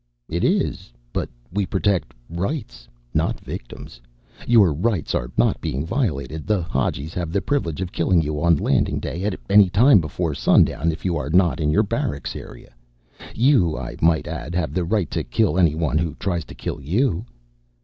"It is. But we protect rights, not victims. Your rights are not being violated. The Hadjis have the privilege of killing you on Landing Day, at any time before sundown, if you are not in your barracks area. You, I might add, have the right to kill anyone who tries to kill you."